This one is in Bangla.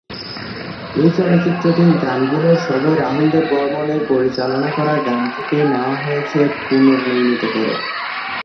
এই চলচ্চিত্রটির গানগুলোর সবই রাহুল দেব বর্মণ এর পরিচালনা করা গান থেকে নেওয়া হয়েছে পুনর্নির্মিত করে।